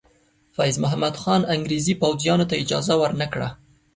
فیض محمد خان انګریزي پوځیانو ته اجازه ور نه کړه.